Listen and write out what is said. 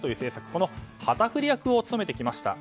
この旗振り役を務めてきました。